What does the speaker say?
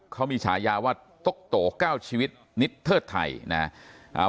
เขามีฉายาว่าตกโตเก้าชีวิตนิดเทิดไทยนะครับ